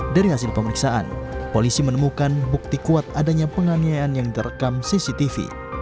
dari hasil pemeriksaan polisi menemukan bukti kuat adanya penganiayaan yang terekam cctv